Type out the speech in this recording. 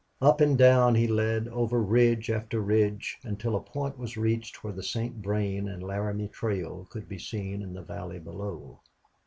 Up and down he led, over ridge after ridge, until a point was reached where the St. Vrain and Laramie Trail could be seen in the valley below.